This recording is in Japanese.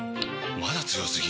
まだ強すぎ？！